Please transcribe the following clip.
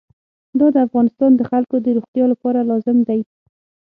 دا د افغانستان د خلکو د روغتیا لپاره لازم دی.